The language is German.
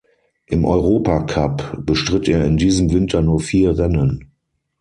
Im Europacup bestritt er in diesem Winter nur vier Rennen.